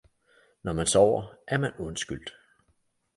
Når man sover, er man undskyldt!